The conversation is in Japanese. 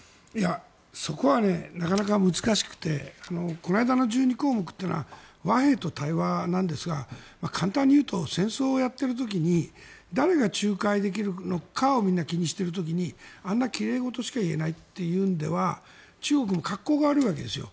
そこはなかなか難しくてこないだの１２項目っていうのは和平と対話なんですが簡単に言うと戦争をやっている時に誰が仲介できるのかをみんな気にしている時にあんな奇麗事しか言えないというのでは中国も格好が悪いわけですよ。